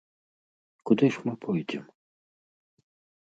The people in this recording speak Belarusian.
Куды ж мы пойдзем?